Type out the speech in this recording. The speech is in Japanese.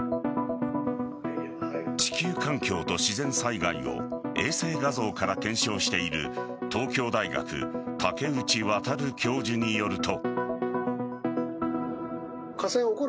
地球環境と自然災害を衛星画像から検証している東京大学・竹内渉教授によると。